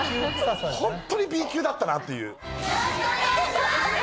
ホントにＢ級だったなっていう。